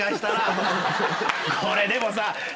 これでもさ。